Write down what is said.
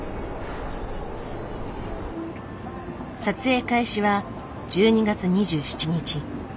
撮影開始は１２月２７日。